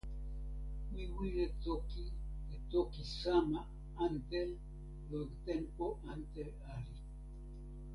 mi wile toki e toki sama ante lon tenpo ante Ali.